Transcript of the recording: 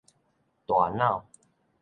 大腦